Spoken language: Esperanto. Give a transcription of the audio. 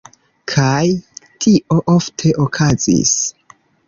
Kaj... tio ofte okazis.